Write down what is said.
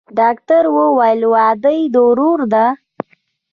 ډاکتر وويل واده يې د ورور دىه.